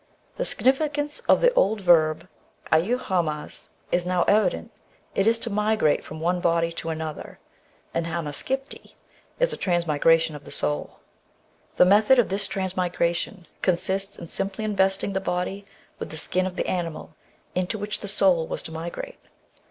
The significance of the old verb a^ hamaz is now evident; it is to migrate from one body to another, and hama skipti is a transmigration of the soul. The method of this transmigration consisted in simply investing the body with the skin of the animal into which the soul was to migrate.